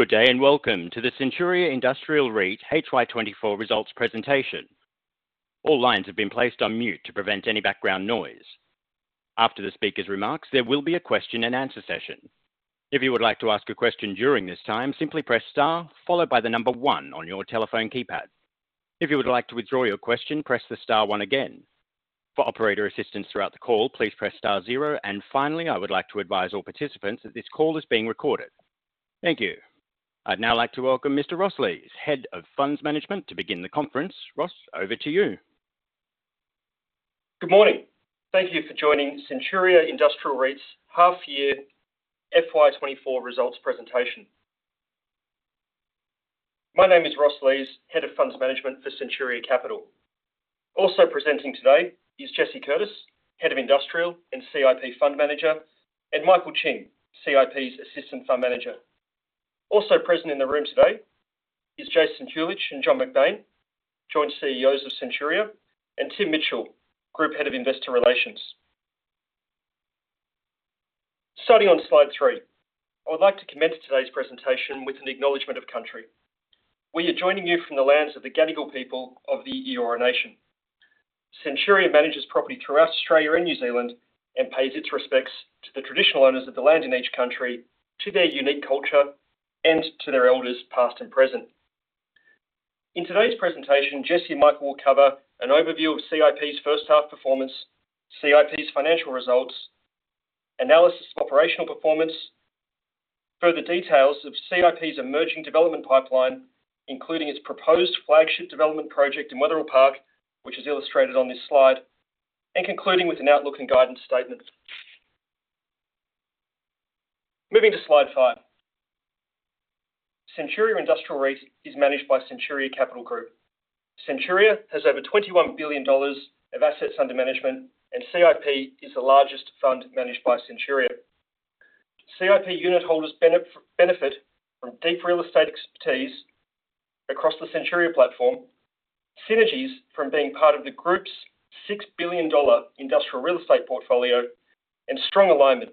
Good day, and welcome to the Centuria Industrial REIT HY24 Results Presentation. All lines have been placed on mute to prevent any background noise. After the speaker's remarks, there will be a question and answer session. If you would like to ask a question during this time, simply press star followed by the number one on your telephone keypad. If you would like to withdraw your question, press the star one again. For operator assistance throughout the call, please press star zero, and finally, I would like to advise all participants that this call is being recorded. Thank you. I'd now like to welcome Mr. Ross Lees, Head of Funds Management, to begin the conference. Ross, over to you. Good morning. Thank you for joining Centuria Industrial REIT's half-year FY 2024 results presentation. My name is Ross Lees, Head of Funds Management for Centuria Capital. Also presenting today is Jesse Curtis, Head of Industrial and CIP Fund Manager, and Michael Ching, CIP's Assistant Fund Manager. Also present in the room today is Jason Huljich and John McBain, Joint CEOs of Centuria, and Tim Mitchell, Group Head of Investor Relations. Starting on slide 3. I would like to commence today's presentation with an acknowledgment of country. We are joining you from the lands of the Gadigal people of the Eora Nation. Centuria manages property throughout Australia and New Zealand, and pays its respects to the traditional owners of the land in each country, to their unique culture, and to their elders, past and present. In today's presentation, Jesse and Michael will cover an overview of CIP's first half performance, CIP's financial results, analysis of operational performance, further details of CIP's emerging development pipeline, including its proposed flagship development project in Wetherill Park, which is illustrated on this slide, and concluding with an outlook and guidance statement. Moving to slide 5. Centuria Industrial REIT is managed by Centuria Capital Group. Centuria has over 21 billion dollars of assets under management, and CIP is the largest fund managed by Centuria. CIP unitholders benefit from deep real estate expertise across the Centuria platform, synergies from being part of the group's 6 billion dollar industrial real estate portfolio, and strong alignment,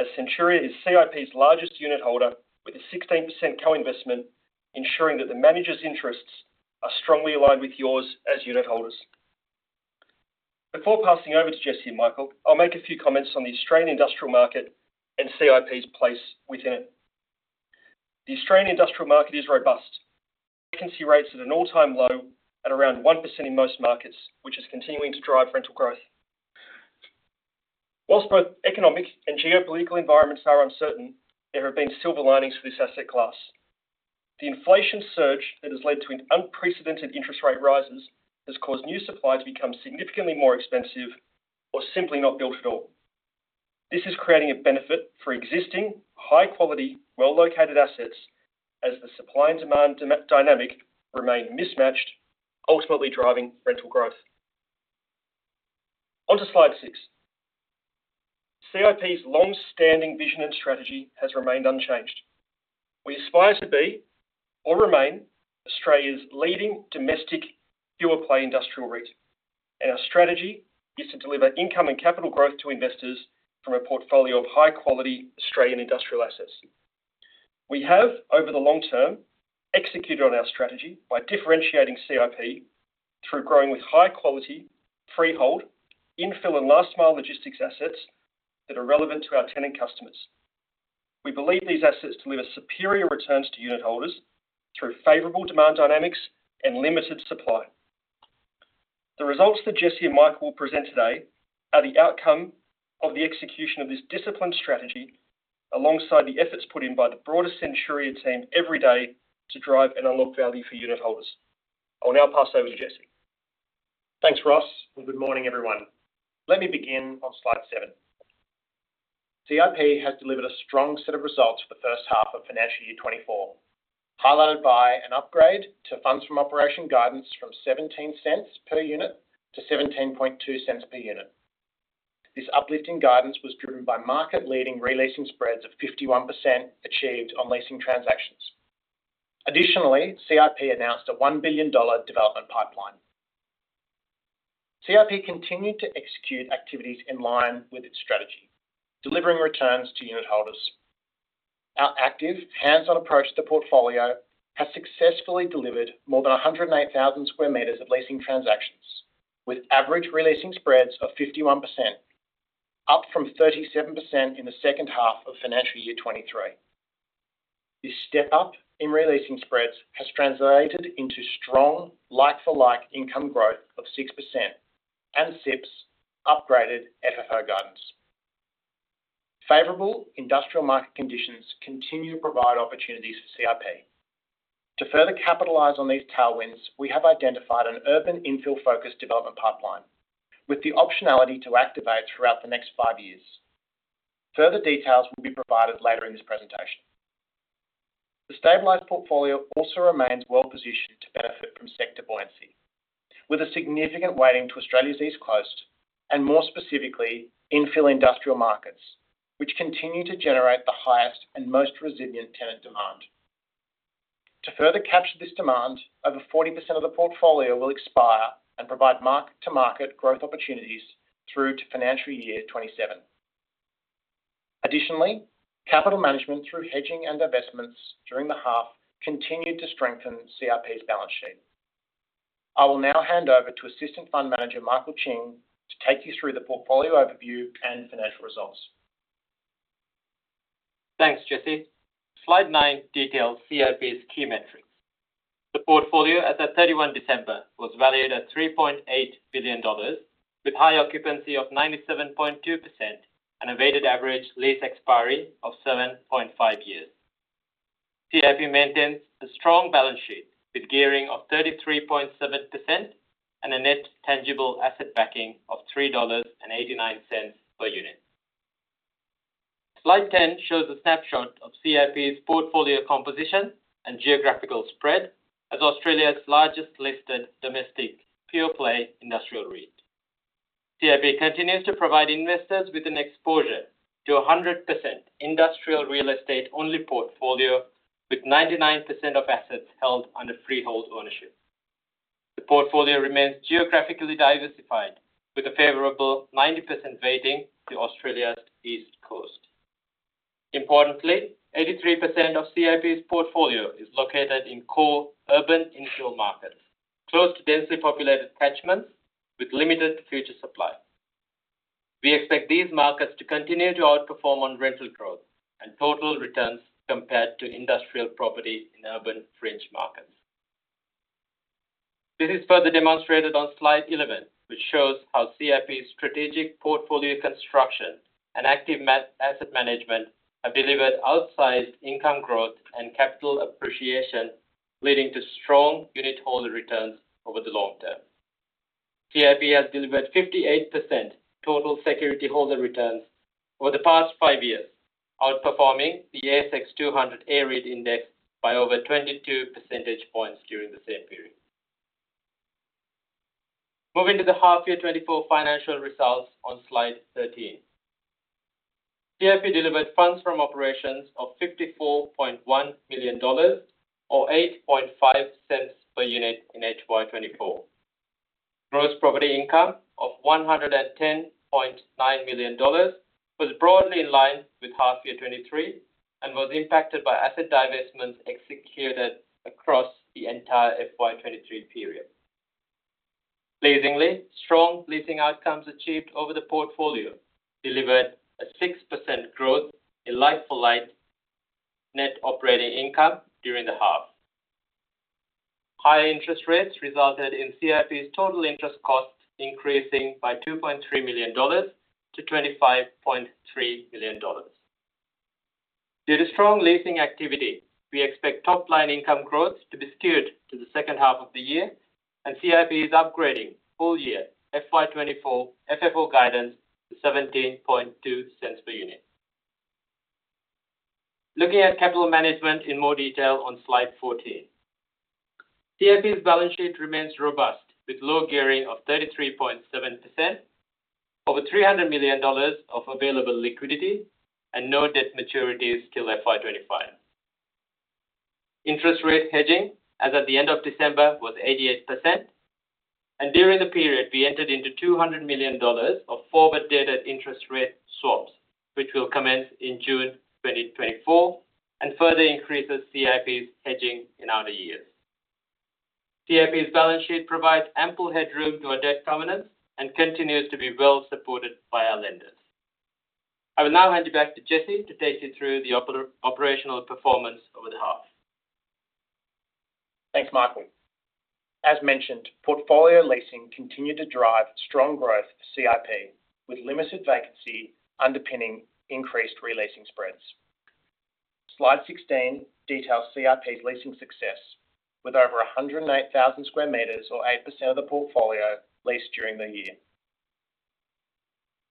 as Centuria is CIP's largest unitholder, with a 16% co-investment, ensuring that the managers' interests are strongly aligned with yours as unitholders. Before passing over to Jesse and Michael, I'll make a few comments on the Australian industrial market and CIP's place within it. The Australian industrial market is robust. Vacancy rates at an all-time low at around 1% in most markets, which is continuing to drive rental growth. While both economic and geopolitical environments are uncertain, there have been silver linings for this asset class. The inflation surge that has led to an unprecedented interest rate rises, has caused new supply to become significantly more expensive or simply not built at all. This is creating a benefit for existing, high-quality, well-located assets as the supply and demand dynamic remain mismatched, ultimately driving rental growth. On to slide 6. CIP's long-standing vision and strategy has remained unchanged. We aspire to be or remain Australia's leading domestic pure-play industrial REIT, and our strategy is to deliver income and capital growth to investors from a portfolio of high-quality Australian industrial assets. We have, over the long term, executed on our strategy by differentiating CIP through growing with high quality, freehold, infill and last mile logistics assets that are relevant to our tenant customers. We believe these assets deliver superior returns to unitholders through favorable demand dynamics and limited supply. The results that Jesse and Michael will present today are the outcome of the execution of this disciplined strategy, alongside the efforts put in by the broader Centuria team every day to drive and unlock value for unitholders. I will now pass over to Jesse. Thanks, Ross, and good morning, everyone. Let me begin on slide 7. CIP has delivered a strong set of results for the first half of financial year 2024, highlighted by an upgrade to Funds From Operations guidance from 0.17 per unit to 0.172 per unit. This uplifting guidance was driven by market-leading re-leasing spreads of 51% achieved on leasing transactions. Additionally, CIP announced a 1 billion dollar development pipeline. CIP continued to execute activities in line with its strategy, delivering returns to unitholders. Our active, hands-on approach to the portfolio has successfully delivered more than 108,000 sq m of leasing transactions, with average re-leasing spreads of 51%, up from 37% in the second half of financial year 2023. This step up in re-leasing spreads has translated into strong, like for like income growth of 6% and CIP's upgraded FFO guidance. Favorable industrial market conditions continue to provide opportunities for CIP. To further capitalize on these tailwinds, we have identified an urban infill focus development pipeline, with the optionality to activate throughout the next five years. Further details will be provided later in this presentation. The stabilized portfolio also remains well-positioned to benefit from sector buoyancy, with a significant weighting to Australia's East Coast, and more specifically, infill industrial markets, which continue to generate the highest and most resilient tenant demand.... To further capture this demand, over 40% of the portfolio will expire and provide mark-to-market growth opportunities through to financial year 2027. Additionally, capital management through hedging and divestments during the half continued to strengthen CIP's balance sheet. I will now hand over to Assistant Fund Manager, Michael Ching, to take you through the portfolio overview and financial results. Thanks, Jesse. Slide 9 details CIP's key metrics. The portfolio as at 31 December, was valued at 3.8 billion dollars, with high occupancy of 97.2% and a weighted average lease expiry of 7.5 years. CIP maintains a strong balance sheet with gearing of 33.7% and a net tangible asset backing of 3.89 dollars per unit. Slide 10 shows a snapshot of CIP's portfolio composition and geographical spread as Australia's largest listed domestic pure-play industrial REIT. CIP continues to provide investors with an exposure to a 100% industrial real estate-only portfolio, with 99% of assets held under freehold ownership. The portfolio remains geographically diversified, with a favorable 90% weighting to Australia's East Coast. Importantly, 83% of CIP's portfolio is located in core urban infill markets, close to densely populated catchments with limited future supply. We expect these markets to continue to outperform on rental growth and total returns compared to industrial property in urban fringe markets. This is further demonstrated on slide 11, which shows how CIP's strategic portfolio construction and active asset management have delivered outsized income growth and capital appreciation, leading to strong unit holder returns over the long term. CIP has delivered 58% total security holder returns over the past five years, outperforming the ASX 200 A-REIT Index by over 22 percentage points during the same period. Moving to the half year 2024 financial results on slide 13. CIP delivered funds from operations of 54.1 million dollars, or 0.085 per unit in FY 2024. Gross property income of 110.9 million dollars was broadly in line with half year 2023 and was impacted by asset divestments executed across the entire FY 2023 period. Pleasingly, strong leasing outcomes achieved over the portfolio delivered a 6% growth in like-for-like net operating income during the half. Higher interest rates resulted in CIP's total interest costs increasing by 2.3 million dollars to 25.3 million dollars. Due to strong leasing activity, we expect top-line income growth to be skewed to the second half of the year, and CIP is upgrading full year FY 2024 FFO guidance to 0.172 per unit. Looking at capital management in more detail on Slide 14. CIP's balance sheet remains robust, with low gearing of 33.7%, over 300 million dollars of available liquidity, and no debt maturities till FY 25. Interest rate hedging as at the end of December was 88%, and during the period, we entered into 200 million dollars of forward-dated interest rate swaps, which will commence in June 2024 and further increases CIP's hedging in outer years. CIP's balance sheet provides ample headroom to our debt covenants and continues to be well supported by our lenders. I will now hand you back to Jesse to take you through the operational performance over the half. Thanks, Michael. As mentioned, portfolio leasing continued to drive strong growth for CIP, with limited vacancy underpinning increased re-leasing spreads. Slide 16 details CIP's leasing success, with over 108,000 sq m, or 8% of the portfolio, leased during the year.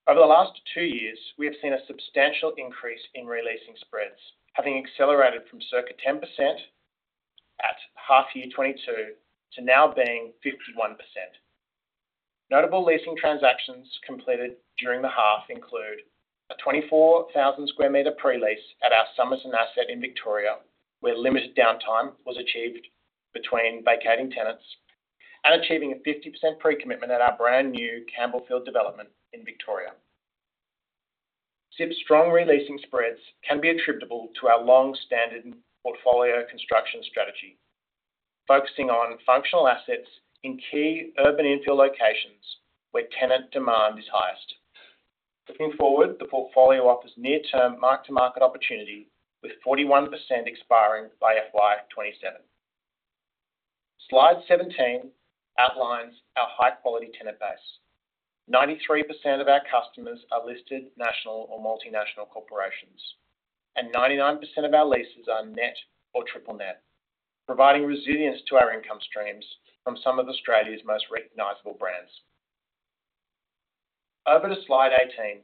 Over the last two years, we have seen a substantial increase in re-leasing spreads, having accelerated from circa 10% at half year 2022 to now being 51%. Notable leasing transactions completed during the half include: a 24,000 square meter pre-lease at our Somerton asset in Victoria, where limited downtime was achieved between vacating tenants, and achieving a 50% pre-commitment at our brand-new Campbellfield development in Victoria. CIP's strong re-leasing spreads can be attributable to our long-standing portfolio construction strategy, focusing on functional assets in key urban infill locations where tenant demand is highest. Looking forward, the portfolio offers near-term mark-to-market opportunity, with 41% expiring by FY 2027. Slide 17 outlines our high-quality tenant base. 93% of our customers are listed national or multinational corporations, and 99% of our leases are net or triple net, providing resilience to our income streams from some of Australia's most recognizable brands. Over to slide 18.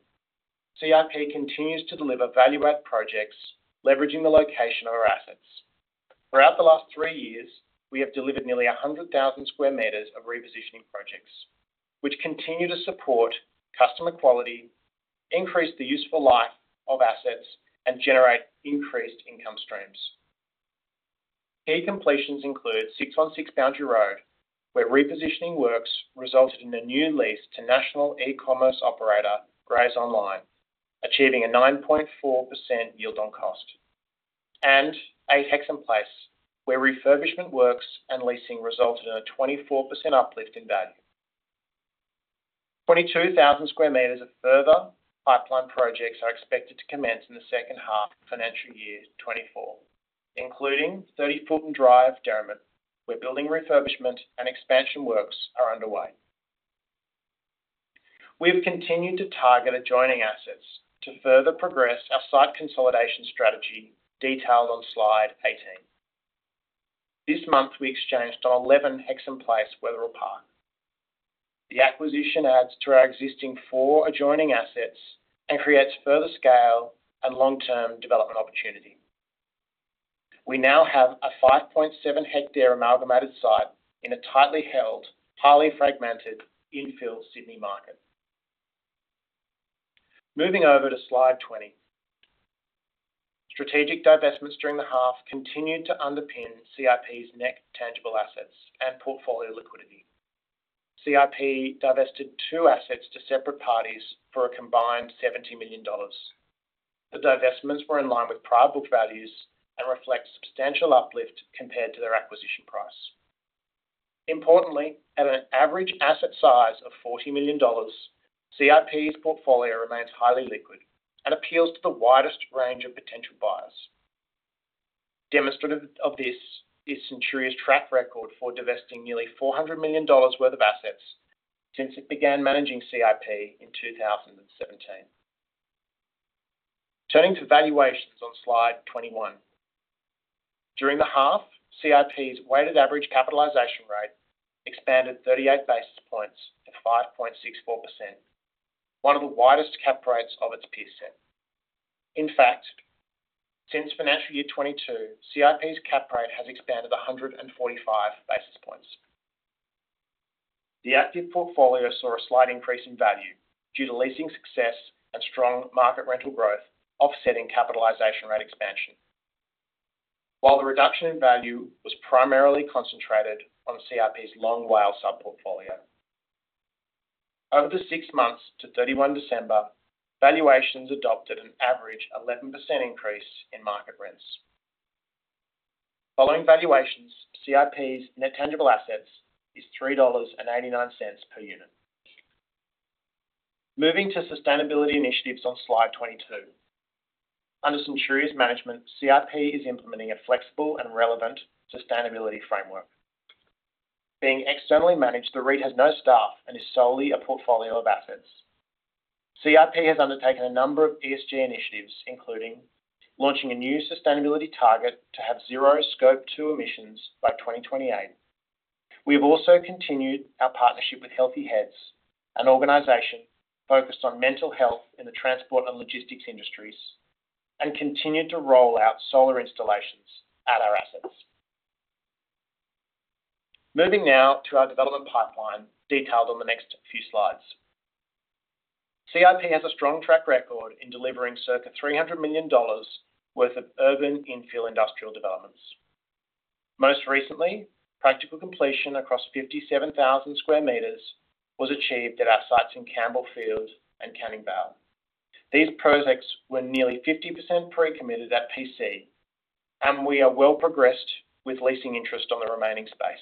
CIP continues to deliver value-add projects, leveraging the location of our assets. Throughout the last three years, we have delivered nearly 100,000 sq m of repositioning projects, which continue to support customer quality, increase the useful life of assets, and generate increased income streams. Key completions include 616 Boundary Road, where repositioning works resulted in a new lease to national e-commerce operator, GraysOnline, achieving a 9.4% yield on cost. 8 Hexham Place, where refurbishment works and leasing resulted in a 24% uplift in value. 22,000 sq m of further pipeline projects are expected to commence in the second half of financial year 2024, including 30 Fulton Drive, Derrimut, where building refurbishment and expansion works are underway. We've continued to target adjoining assets to further progress our site consolidation strategy, detailed on slide 18. This month, we exchanged on 11 Hexham Place, Wetherill Park. The acquisition adds to our existing 4 adjoining assets and creates further scale and long-term development opportunity. We now have a 5.7 hectare amalgamated site in a tightly held, highly fragmented infill Sydney market. Moving over to slide 20. Strategic divestments during the half continued to underpin CIP's net tangible assets and portfolio liquidity. CIP divested 2 assets to separate parties for a combined 70 million dollars. The divestments were in line with prior book values and reflect substantial uplift compared to their acquisition price. Importantly, at an average asset size of 40 million dollars, CIP's portfolio remains highly liquid and appeals to the widest range of potential buyers. Demonstrative of this is Centuria's track record for divesting nearly 400 million dollars worth of assets since it began managing CIP in 2017. Turning to valuations on slide 21. During the half, CIP's weighted average capitalization rate expanded 38 basis points to 5.64%, one of the widest cap rates of its peer set. In fact, since financial year 2022, CIP's cap rate has expanded 145 basis points. The active portfolio saw a slight increase in value due to leasing success and strong market rental growth, offsetting capitalization rate expansion. While the reduction in value was primarily concentrated on CIP's long WALE sub-portfolio. Over the six months to 31 December, valuations adopted an average 11% increase in market rents. Following valuations, CIP's net tangible assets is 3.89 dollars per unit. Moving to sustainability initiatives on slide 22. Under Centuria's management, CIP is implementing a flexible and relevant sustainability framework. Being externally managed, the REIT has no staff and is solely a portfolio of assets. CIP has undertaken a number of ESG initiatives, including launching a new sustainability target to have zero Scope 2 emissions by 2028. We have also continued our partnership with Healthy Heads, an organization focused on mental health in the transport and logistics industries, and continued to roll out solar installations at our assets. Moving now to our development pipeline, detailed on the next few slides. CIP has a strong track record in delivering circa 300 million dollars worth of urban infill industrial developments. Most recently, practical completion across 57,000 sq m was achieved at our sites in Campbellfield and Canning Vale. These projects were nearly 50% pre-committed at PC, and we are well progressed with leasing interest on the remaining space.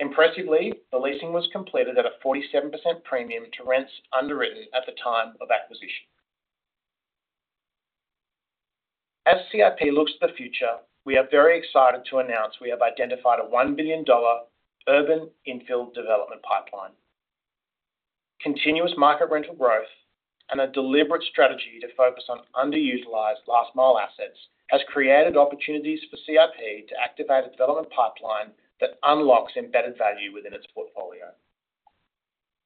Impressively, the leasing was completed at a 47% premium to rents underwritten at the time of acquisition. As CIP looks to the future, we are very excited to announce we have identified a 1 billion dollar urban infill development pipeline. Continuous market rental growth and a deliberate strategy to focus on underutilized last mile assets, has created opportunities for CIP to activate a development pipeline that unlocks embedded value within its portfolio.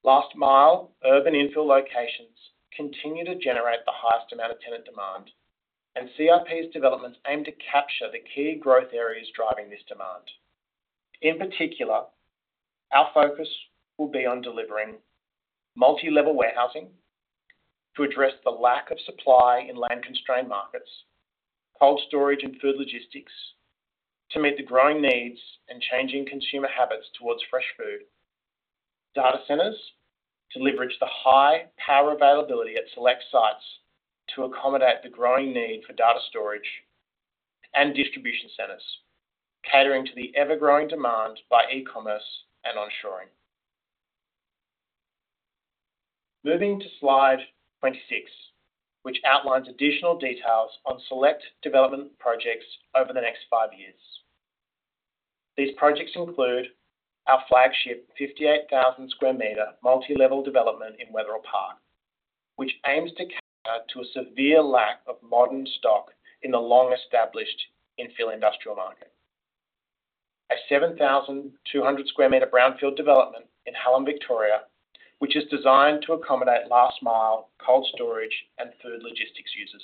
Last mile, urban infill locations continue to generate the highest amount of tenant demand, and CIP's developments aim to capture the key growth areas driving this demand. In particular, our focus will be on delivering multi-level warehousing to address the lack of supply in land-constrained markets, cold storage and food logistics, to meet the growing needs and changing consumer habits towards fresh food, data centers, to leverage the high power availability at select sites to accommodate the growing need for data storage, and distribution centers, catering to the ever-growing demand by e-commerce and onshoring. Moving to slide 26, which outlines additional details on select development projects over the next five years. These projects include our flagship 58,000 sq m multi-level development in Wetherill Park, which aims to cater to a severe lack of modern stock in the long-established infill industrial market. A 7,200 square meter brownfield development in Hallam, Victoria, which is designed to accommodate last mile, cold storage, and food logistics users.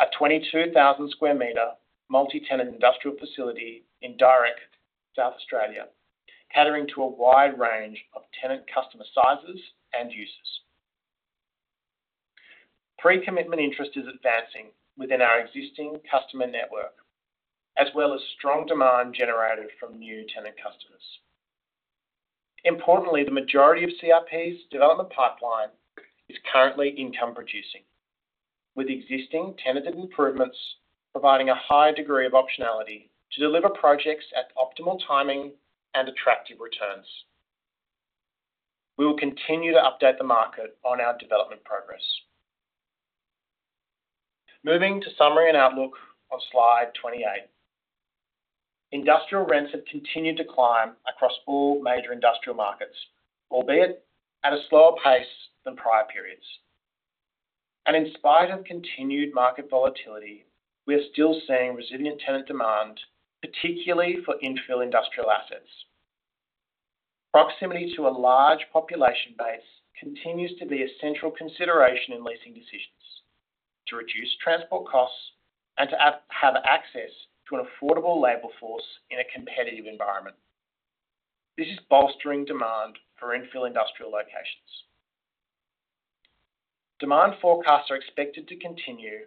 A 22,000 square meter multi-tenant industrial facility in South Australia, catering to a wide range of tenant customer sizes and uses. Pre-commitment interest is advancing within our existing customer network, as well as strong demand generated from new tenant customers. Importantly, the majority of CIP's development pipeline is currently income producing, with existing tenanted improvements providing a high degree of optionality to deliver projects at optimal timing and attractive returns. We will continue to update the market on our development progress. Moving to summary and outlook on slide 28. Industrial rents have continued to climb across all major industrial markets, albeit at a slower pace than prior periods. In spite of continued market volatility, we are still seeing resilient tenant demand, particularly for infill industrial assets. Proximity to a large population base continues to be a central consideration in leasing decisions, to reduce transport costs and to have access to an affordable labor force in a competitive environment. This is bolstering demand for infill industrial locations. Demand forecasts are expected to continue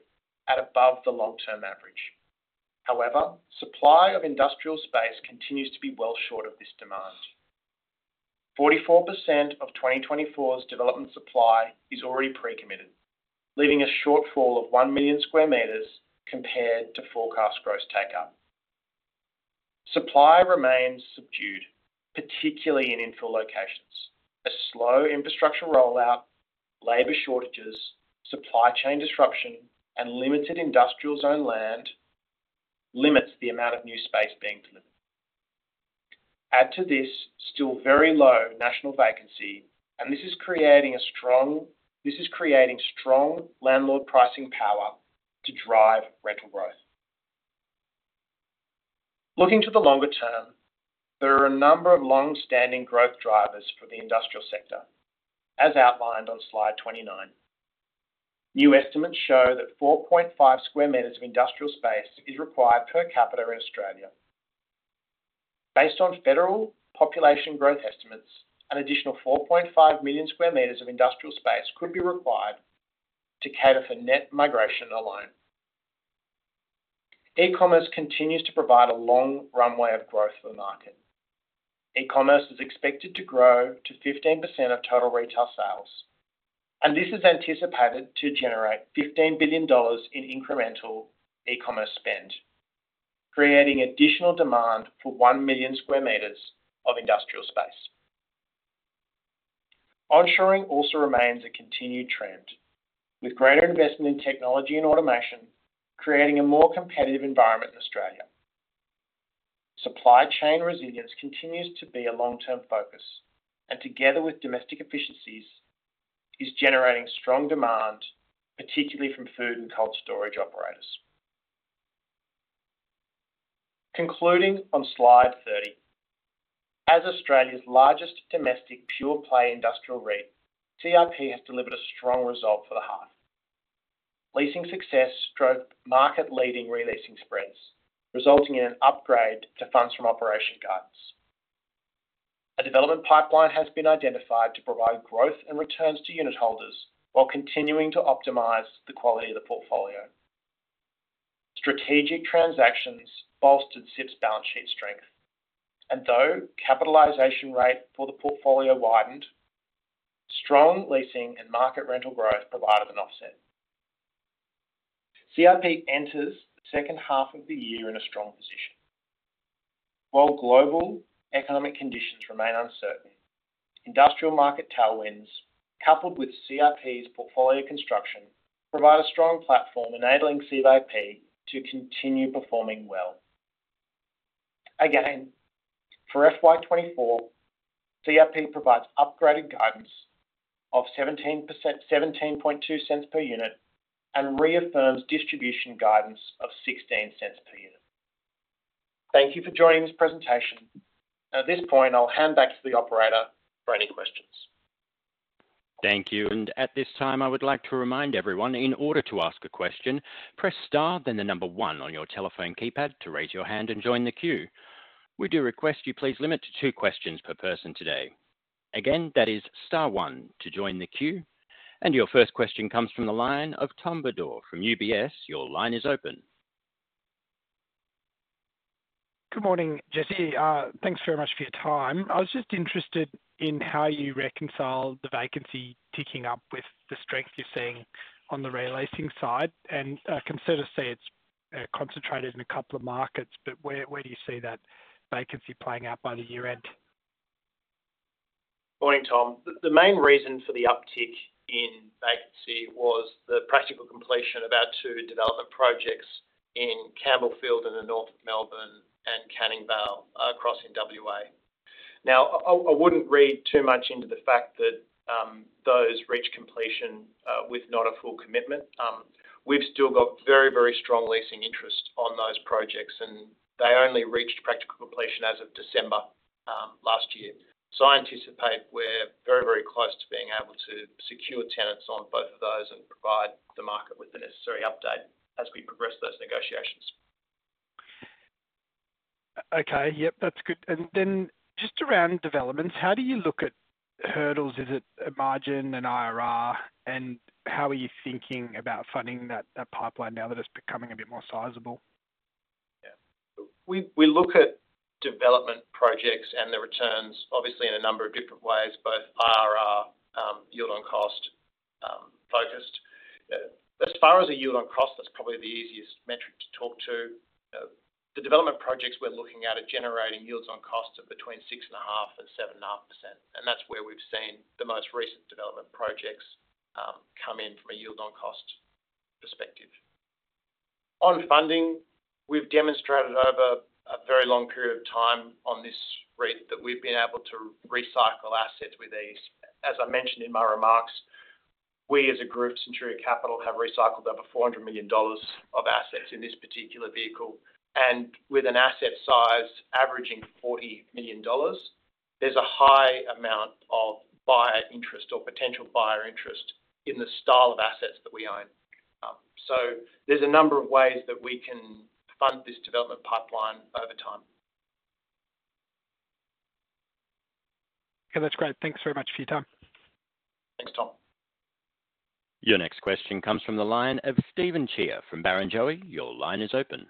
at above the long-term average. However, supply of industrial space continues to be well short of this demand. 44% of 2024's development supply is already pre-committed, leaving a shortfall of 1 million sq m compared to forecast gross take up. Supply remains subdued, particularly in infill locations. A slow infrastructure rollout, labor shortages, supply chain disruption, and limited industrial zone land limits the amount of new space being delivered. Add to this, still very low national vacancy, and this is creating strong landlord pricing power to drive rental growth. Looking to the longer term, there are a number of long-standing growth drivers for the industrial sector, as outlined on slide 29. New estimates show that 4.5 sq m of industrial space is required per capita in Australia. Based on federal population growth estimates, an additional 4.5 million sq m of industrial space could be required to cater for net migration alone. E-commerce continues to provide a long runway of growth for the market. E-commerce is expected to grow to 15% of total retail sales, and this is anticipated to generate 15 billion dollars in incremental e-commerce spend, creating additional demand for 1 million sq m of industrial space. Onshoring also remains a continued trend, with greater investment in technology and automation, creating a more competitive environment in Australia. Supply chain resilience continues to be a long-term focus, and together with domestic efficiencies, is generating strong demand, particularly from food and cold storage operators. Concluding on slide 30. As Australia's largest domestic pure play industrial REIT, CIP has delivered a strong result for the half. Leasing success drove market-leading re-leasing spreads, resulting in an upgrade to funds from operations guidance. A development pipeline has been identified to provide growth and returns to unit holders while continuing to optimize the quality of the portfolio. Strategic transactions bolstered CIP's balance sheet strength, and though capitalization rate for the portfolio widened, strong leasing and market rental growth provided an offset. CIP enters the second half of the year in a strong position. While global economic conditions remain uncertain, industrial market tailwinds, coupled with CIP's portfolio construction, provide a strong platform enabling CIP to continue performing well. Again, for FY 2024, CIP provides upgraded guidance of 17%, 0.172 per unit and reaffirms distribution guidance of 0.16 per unit. Thank you for joining this presentation. At this point, I'll hand back to the operator for any questions. Thank you. At this time, I would like to remind everyone, in order to ask a question, press Star, then the number one on your telephone keypad to raise your hand and join the queue. We do request you please limit to two questions per person today. Again, that is Star one to join the queue, and your first question comes from the line of Tom Bodor from UBS. Your line is open. Good morning, Jesse. Thanks very much for your time. I was just interested in how you reconcile the vacancy ticking up with the strength you're seeing on the re-leasing side, and, consider, say, it's concentrated in a couple of markets, but where, where do you see that vacancy playing out by the year-end? Morning, Tom. The main reason for the uptick in vacancy was the practical completion of our two development projects in Campbellfield, in the north of Melbourne and Canning Vale across in WA. Now, I wouldn't read too much into the fact that those reached completion with not a full commitment. We've still got very, very strong leasing interest on those projects, and they only reached practical completion as of December last year. So I anticipate we're very, very close to being able to secure tenants on both of those and provide the market with the necessary update as we progress those negotiations. Okay, yep, that's good. And then just around developments, how do you look at hurdles? Is it a margin, an IRR, and how are you thinking about funding that pipeline now that it's becoming a bit more sizable? Yeah. We look at development projects and the returns, obviously, in a number of different ways, both IRR, yield on cost, focused. As far as a yield on cost, that's probably the easiest metric to talk to. The development projects we're looking at are generating yields on costs of between 6.5% and 7.5%, and that's where we've seen the most recent development projects come in from a yield on cost perspective. On funding, we've demonstrated over a very long period of time on this rate that we've been able to recycle assets with ease. As I mentioned in my remarks, we as a group, Centuria Capital, have recycled over 400 million dollars of assets in this particular vehicle, and with an asset size averaging 40 million dollars, there's a high amount of buyer interest or potential buyer interest in the style of assets that we own. So there's a number of ways that we can fund this development pipeline over time. Okay, that's great. Thanks very much for your time. Thanks, Tom. Your next question comes from the line of Steven Chia from Barrenjoey. Your line is open.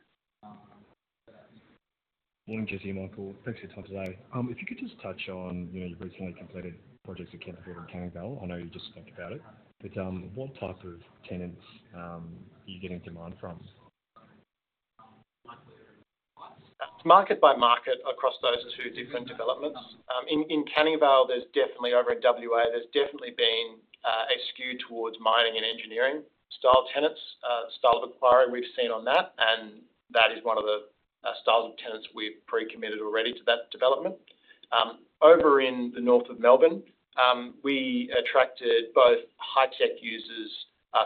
Morning, Jesse and Michael. Thanks for your time today. If you could just touch on, you know, your recently completed projects at Canterbury and Canning Vale. I know you just talked about it, but what type of tenants are you getting demand from? It's market by market across those two different developments. In Canning Vale, there's definitely, over in WA, there's definitely been a skew towards mining and engineering style tenants, style of inquiry we've seen on that, and that is one of the styles of tenants we've pre-committed already to that development. Over in the north of Melbourne, we attracted both high-tech users,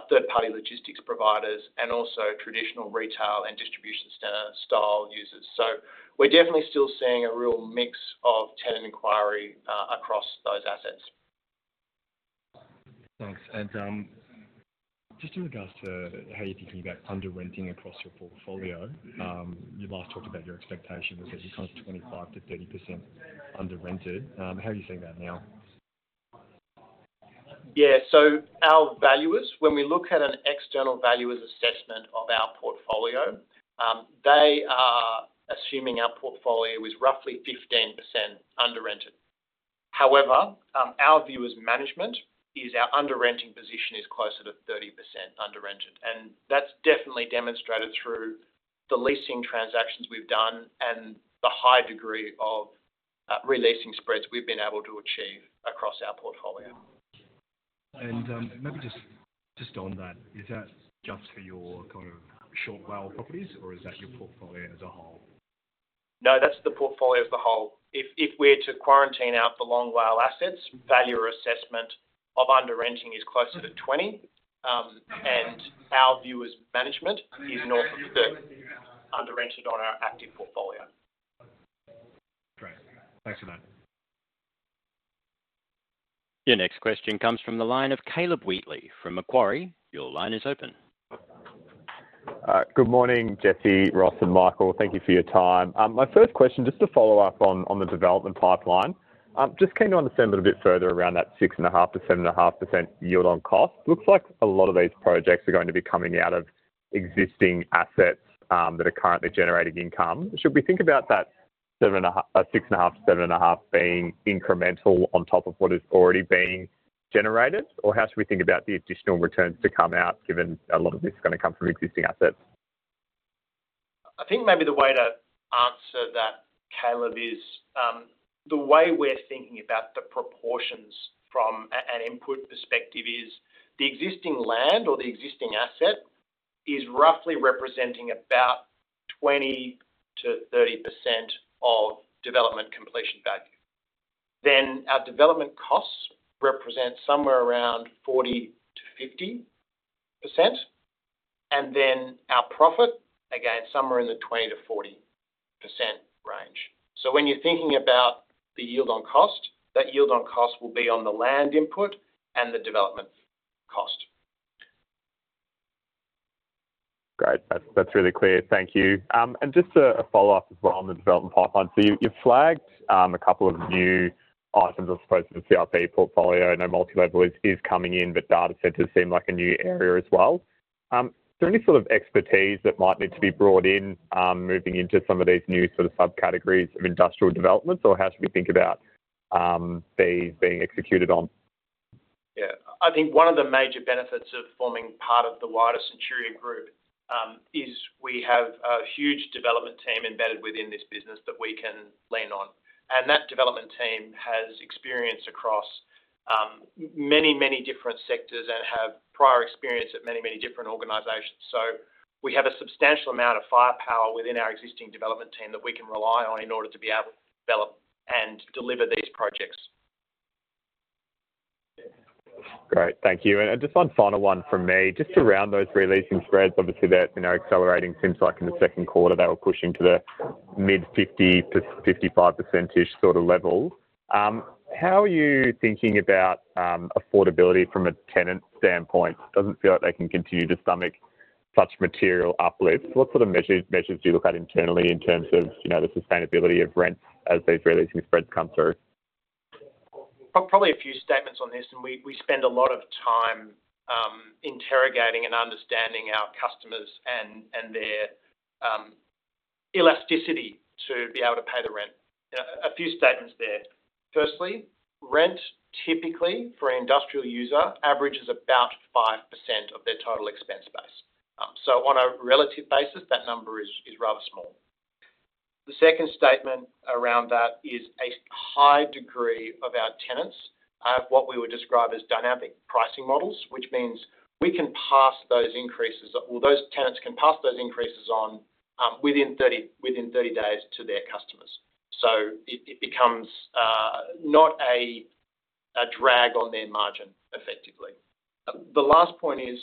third-party logistics providers, and also traditional retail and distribution center style users. So we're definitely still seeing a real mix of tenant inquiry across those assets. Thanks. And, just in regards to how you're thinking about under-renting across your portfolio, you last talked about your expectation was that you're kind of 25%-30% under-rented. How are you seeing that now? Yeah, so our valuers, when we look at an external valuers assessment of our portfolio, they are assuming our portfolio is roughly 15% under-rented. However, our view as management is our under-renting position is closer to 30% under-rented, and that's definitely demonstrated through the leasing transactions we've done and the high degree of, re-leasing spreads we've been able to achieve across our portfolio. Maybe just, just on that, is that just for your kind of short WALE properties, or is that your portfolio as a whole? No, that's the portfolio as the whole. If we're to quarantine out the long WALE assets, valuer assessment of under-renting is closer to 20, and our view as management is north of 30 under-rented on our active portfolio. Great. Thanks for that. Your next question comes from the line of Caleb Wheatley from Macquarie. Your line is open. Good morning, Jesse, Ross, and Michael. Thank you for your time. My first question, just to follow up on the development pipeline. Just keen to understand a little bit further around that 6.5%-7.5% yield on cost. Looks like a lot of these projects are going to be coming out of existing assets that are currently generating income. Should we think about that 7.5, or 6.5%-7.5% being incremental on top of what is already being generated? Or how should we think about the additional returns to come out, given a lot of this is going to come from existing assets? I think maybe the way to answer that, Caleb, is the way we're thinking about the proportions from an input perspective is the existing land or the existing asset is roughly representing about 20%-30% of development completion value. Then our development costs represent somewhere around 40%-50%, and then our profit, again, somewhere in the 20%-40% range. So when you're thinking about the yield on cost, that yield on cost will be on the land input and the development cost. Great. That's, that's really clear. Thank you. And just a follow-up as well on the development pipeline. So you flagged a couple of new items as opposed to the CIP portfolio. I know multi-level is coming in, but data centers seem like a new area as well. Is there any sort of expertise that might need to be brought in moving into some of these new sort of subcategories of industrial developments, or how should we think about these being executed on? Yeah. I think one of the major benefits of forming part of the wider Centuria Group is we have a huge development team embedded within this business that we can lean on, and that development team has experience across many, many different sectors and have prior experience at many, many different organizations. So we have a substantial amount of firepower within our existing development team that we can rely on in order to be able to develop and deliver these projects. ... Great, thank you. And just one final one from me, just around those re-leasing spreads. Obviously, they're, you know, accelerating. Seems like in the second quarter, they were pushing to the mid-50 to 55% sort of level. How are you thinking about affordability from a tenant standpoint? Doesn't feel like they can continue to stomach such material uplifts. What sort of measures do you look at internally in terms of, you know, the sustainability of rent as these re-leasing spreads come through? Probably a few statements on this, and we spend a lot of time interrogating and understanding our customers and their elasticity to be able to pay the rent. A few statements there. Firstly, rent typically for an industrial user averages about 5% of their total expense base. So on a relative basis, that number is rather small. The second statement around that is a high degree of our tenants have what we would describe as dynamic pricing models, which means we can pass those increases, or those tenants can pass those increases on within 30 days to their customers. So it becomes not a drag on their margin, effectively. The last point is,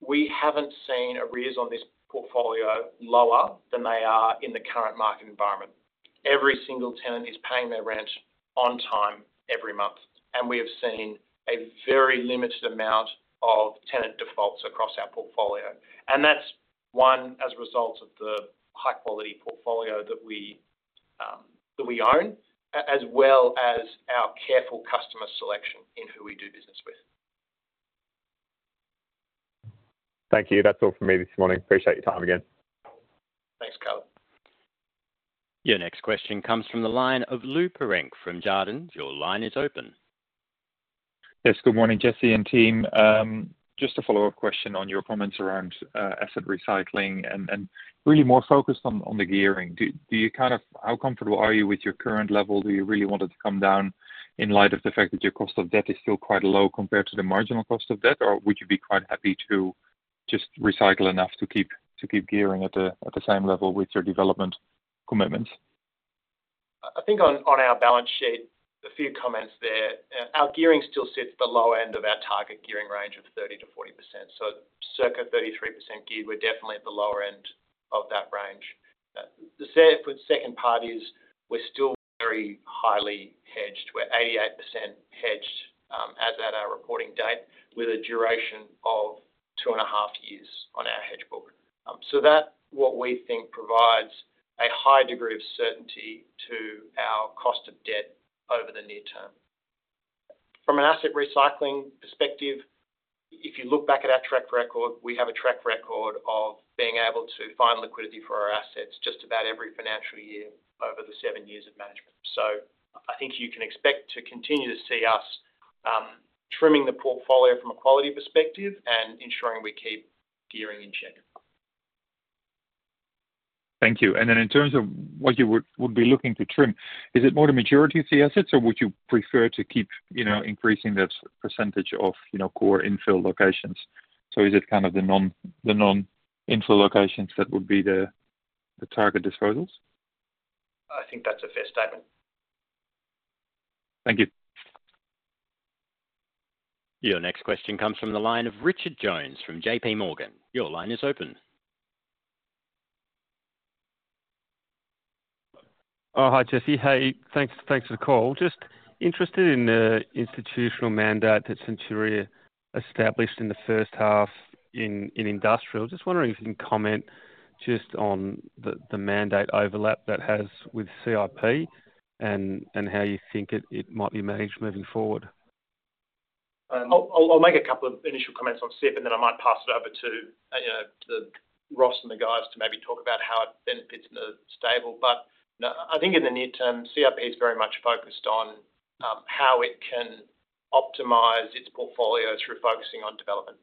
we haven't seen arrears on this portfolio lower than they are in the current market environment. Every single tenant is paying their rent on time, every month, and we have seen a very limited amount of tenant defaults across our portfolio. And that's, one, as a result of the high-quality portfolio that we own, as well as our careful customer selection in who we do business with. Thank you. That's all from me this morning. Appreciate your time again. Thanks, Calvin. Your next question comes from the line of Lou Piretti from Jarden. Your line is open. Yes, good morning, Jesse and team. Just a follow-up question on your comments around asset recycling and really more focused on the gearing. Do you kind of, how comfortable are you with your current level? Do you really want it to come down in light of the fact that your cost of debt is still quite low compared to the marginal cost of debt? Or would you be quite happy to just recycle enough to keep gearing at the same level with your development commitments? I think on our balance sheet, a few comments there. Our gearing still sits at the low end of our target gearing range of 30%-40%, so circa 33% geared, we're definitely at the lower end of that range. The second part is we're still very highly hedged. We're 88% hedged, as at our reporting date, with a duration of 2.5 years on our hedge book. So that what we think provides a high degree of certainty to our cost of debt over the near term. From an asset recycling perspective, if you look back at our track record, we have a track record of being able to find liquidity for our assets just about every financial year over the 7 years of management. So I think you can expect to continue to see us trimming the portfolio from a quality perspective and ensuring we keep gearing in check. Thank you. Then in terms of what you would be looking to trim, is it more the maturity of the assets, or would you prefer to keep, you know, increasing that percentage of, you know, core infill locations? So is it kind of the non-infill locations that would be the target disposals? I think that's a fair statement. Thank you. Your next question comes from the line of Richard Jones from JPMorgan. Your line is open. Oh, hi, Jesse. Hey, thanks, thanks for the call. Just interested in the institutional mandate that Centuria established in the first half in industrial. Just wondering if you can comment just on the mandate overlap that has with CIP and how you think it might be managed moving forward. I'll make a couple of initial comments on CIP, and then I might pass it over to, you know, to Ross and the guys to maybe talk about how it benefits the stable. But, no, I think in the near term, CIP is very much focused on how it can optimize its portfolio through focusing on development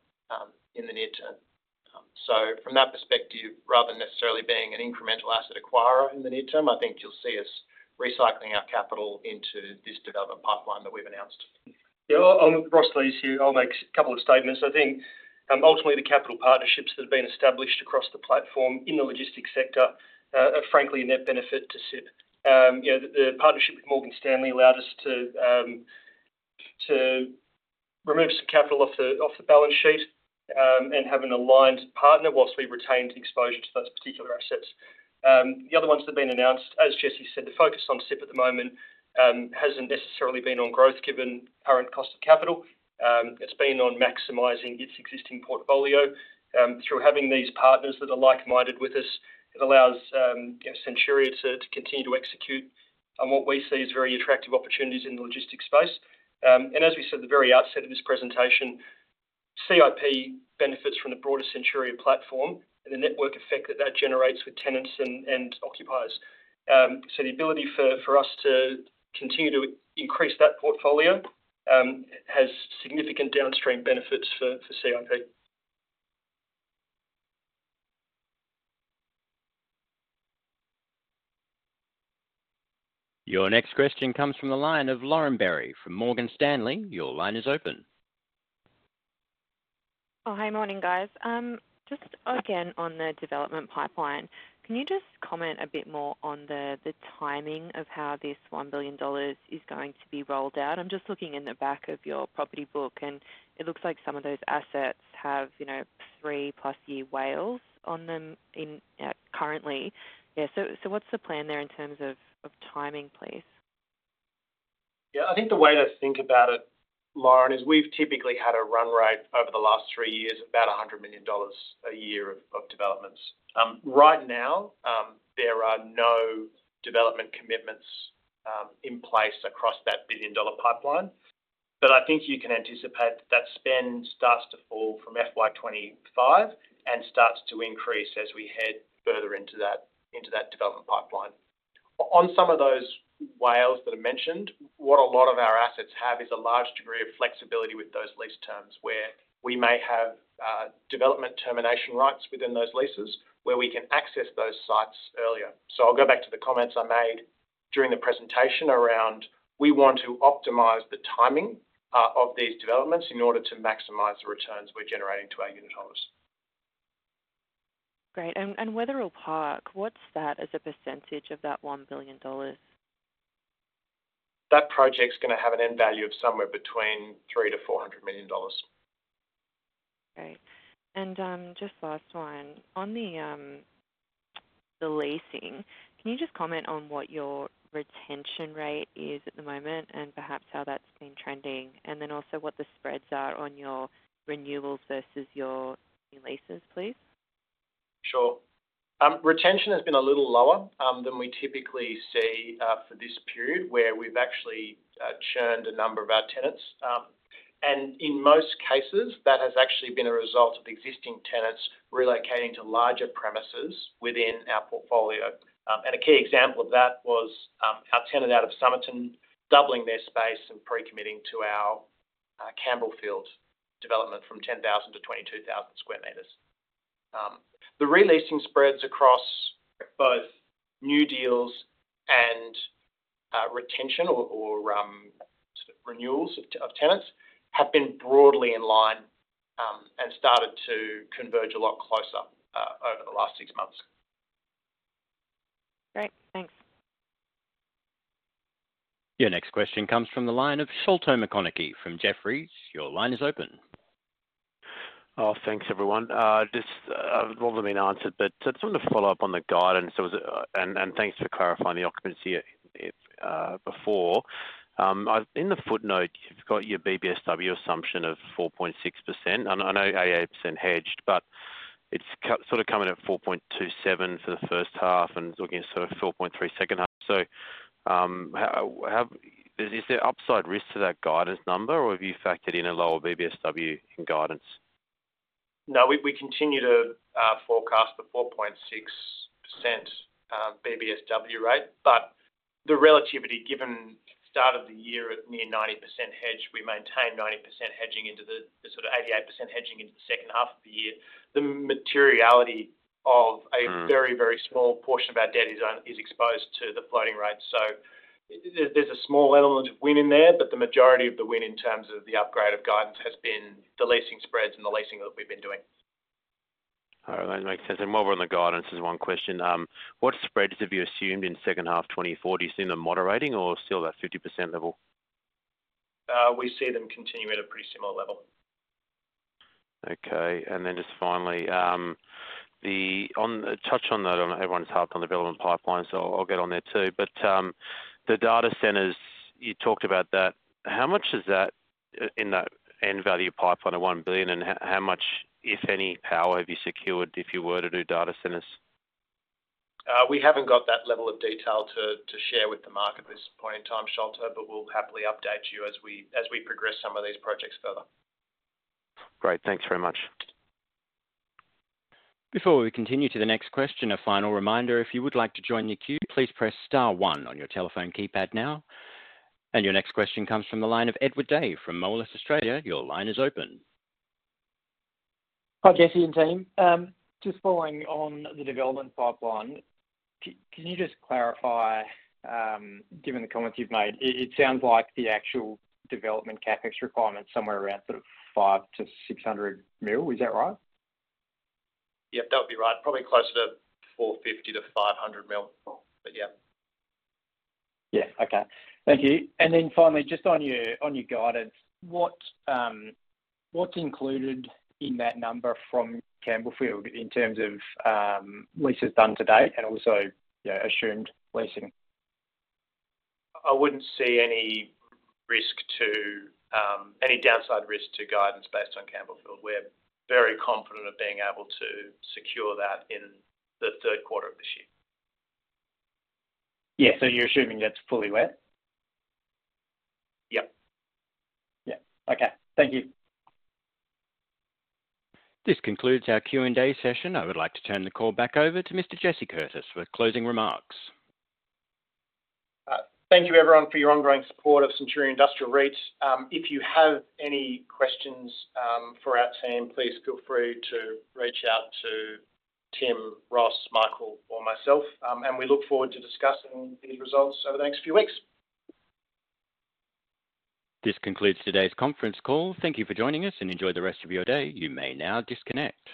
in the near term. So from that perspective, rather than necessarily being an incremental asset acquirer in the near term, I think you'll see us recycling our capital into this development pipeline that we've announced. Yeah, I'm Ross Lees here. I'll make a couple of statements. I think, ultimately, the capital partnerships that have been established across the platform in the logistics sector are frankly a net benefit to CIP. You know, the partnership with Morgan Stanley allowed us to remove some capital off the balance sheet and have an aligned partner whilst we retained exposure to those particular assets. The other ones that have been announced, as Jesse said, the focus on CIP at the moment hasn't necessarily been on growth, given current cost of capital. It's been on maximizing its existing portfolio. Through having these partners that are like-minded with us, it allows Centuria to continue to execute on what we see as very attractive opportunities in the logistics space. As we said at the very outset of this presentation, CIP benefits from the broader Centuria platform and the network effect that that generates with tenants and, and occupiers. The ability for, for us to continue to increase that portfolio, has significant downstream benefits for, for CIP. Your next question comes from the line of Lauren Berry from Morgan Stanley. Your line is open.... Oh, hi. Morning, guys. Just again, on the development pipeline, can you just comment a bit more on the, the timing of how this 1 billion dollars is going to be rolled out? I'm just looking in the back of your property book, and it looks like some of those assets have, you know, 3+ year WALEs on them in currently. Yeah, so, so what's the plan there in terms of, of timing, please? Yeah, I think the way to think about it, Lauren, is we've typically had a run rate over the last three years, about 100 million dollars a year of developments. Right now, there are no development commitments in place across that 1 billion-dollar pipeline, but I think you can anticipate that spend starts to fall from FY 2025 and starts to increase as we head further into that development pipeline. On some of those WALEs that I mentioned, what a lot of our assets have is a large degree of flexibility with those lease terms, where we may have development termination rights within those leases, where we can access those sites earlier. I'll go back to the comments I made during the presentation around we want to optimize the timing of these developments in order to maximize the returns we're generating to our unitholders. Great. And Wetherill Park, what's that as a percentage of that 1 billion dollars? That project's gonna have an end value of somewhere between 300 million-400 million dollars. Great. And, just last one. On the leasing, can you just comment on what your retention rate is at the moment and perhaps how that's been trending, and then also what the spreads are on your renewals versus your leases, please? Sure. Retention has been a little lower than we typically see for this period, where we've actually churned a number of our tenants. In most cases, that has actually been a result of existing tenants relocating to larger premises within our portfolio. A key example of that was our tenant out of Somerton doubling their space and pre-committing to our Campbellfield development from 10,000-22,000 sq m. The re-leasing spreads across both new deals and retention or sort of renewals of tenants have been broadly in line and started to converge a lot closer over the last six months. Great. Thanks. Your next question comes from the line of Sholto Maconochie from Jefferies. Your line is open. Oh, thanks, everyone. Just, a lot have been answered, but just wanted to follow up on the guidance. So, and thanks for clarifying the occupancy, before. In the footnote, you've got your BBSW assumption of 4.6%, and I know 8% hedged, but it's sort of coming in at 4.27 for the first half and looking at sort of 4.3 second half. So, how is there upside risk to that guidance number, or have you factored in a lower BBSW in guidance? No, we continue to forecast the 4.6% BBSW rate, but the relativity given start of the year at near 90% hedge, we maintain 90% hedging into the sort of 88% hedging into the second half of the year. The materiality of- Mm. A very, very small portion of our debt is exposed to the floating rate. So there's a small element of win in there, but the majority of the win in terms of the upgrade of guidance has been the leasing spreads and the leasing that we've been doing. All right, that makes sense. And while we're on the guidance, there's one question. What spreads have you assumed in second half 2040? Do you see them moderating or still that 50% level? We see them continuing at a pretty similar level. Okay, and then just finally, then on touch on that. I don't know if everyone's touched on the development pipeline, so I'll get on there, too. But the data centers, you talked about that. How much is that in that end value pipeline of 1 billion, and how much, if any, power have you secured if you were to do data centers? We haven't got that level of detail to share with the market at this point in time, Sholto, but we'll happily update you as we progress some of these projects further. Great. Thanks very much. Before we continue to the next question, a final reminder, if you would like to join the queue, please press star one on your telephone keypad now. Your next question comes from the line of Edward Day from Moelis Australia. Your line is open. Hi, Jesse and team. Just following on the development pipeline, can you just clarify, given the comments you've made, it sounds like the actual development CapEx requirement is somewhere around sort of 500 million-600 million. Is that right? Yep, that would be right. Probably closer to 450 million-500 million, but yeah. Yeah, okay. Thank you. And then finally, just on your, on your guidance, what, what's included in that number from Campbellfield in terms of, leases done to date and also, you know, assumed leasing? I wouldn't see any risk to, any downside risk to guidance based on Campbellfield. We're very confident of being able to secure that in the third quarter of this year. Yeah, so you're assuming that's fully let? Yep. Yep. Okay, thank you. This concludes our Q&A session. I would like to turn the call back over to Mr. Jesse Curtis for closing remarks. Thank you, everyone, for your ongoing support of Centuria Industrial REIT. If you have any questions for our team, please feel free to reach out to Tim, Ross, Michael, or myself, and we look forward to discussing these results over the next few weeks. This concludes today's conference call. Thank you for joining us, and enjoy the rest of your day. You may now disconnect.